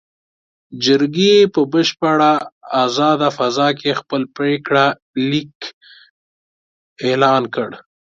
جرګې په بشپړه ازاده فضا کې خپل پرېکړه لیک اعلان کړ.